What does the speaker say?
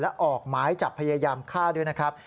และออกหมายจับพยายามฆ่าด้วยนะครับ